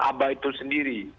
yang abah itu sendiri